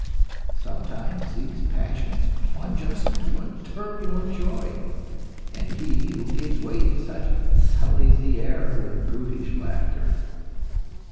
Sometimes these passions plunge us into a turbulent joy, and he who gives way to such, sullies the air with brutish laughter.